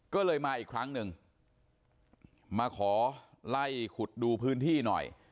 ก็เลยมาอีกครั้งหนึ่งมาขอไล่ขุดดูพื้นที่หน่อย